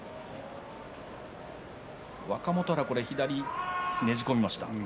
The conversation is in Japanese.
若元春が左をねじ込みました。